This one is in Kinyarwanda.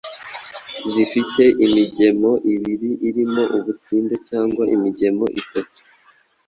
zifite imigemo ibiri irimo ubutinde cyangwa imigemo itatu